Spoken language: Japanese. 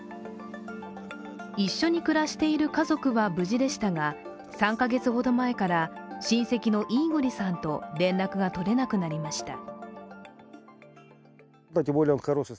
一緒に暮らしている家族は無事でしたが３か月ほど前から親戚のイーゴリさんと連絡が取れなくなりました。